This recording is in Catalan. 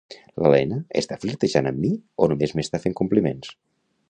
La Lena està flirtejant amb mi o només m'està fent compliments?